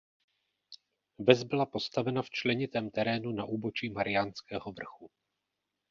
Ves byla postavena v členitém terénu na úbočí Mariánského vrchu.